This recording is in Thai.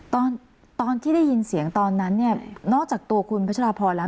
ตอนที่ได้ยินเสียงตอนนั้นเนี่ยนอกจากตัวคุณพัชราพรแล้ว